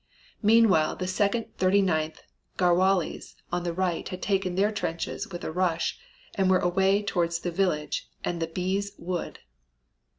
Meanwhile the second Thirty ninth Garhwalis on the right had taken their trenches with a rush and were away towards the village and the Biez Wood.